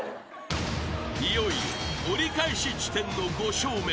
［いよいよ折り返し地点の５笑目］